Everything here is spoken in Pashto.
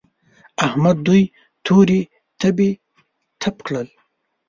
احمد دوی تورې تبې تپ کړل.